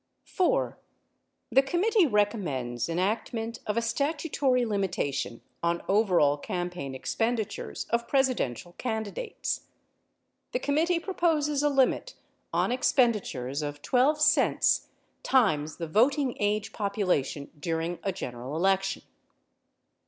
4. The committee recommends enactment of a statutory limi tation on overall campaign expenditures of Presidential candi dates. The committee proposes a limit on expenditures of 12 cents times the voting age population during a general election.